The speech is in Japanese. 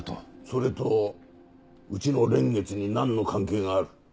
それとうちの蓮月に何の関係がある？